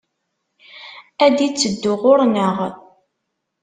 Ad d-itteddu ɣur-nneɣ!